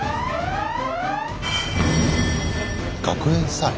学園祭？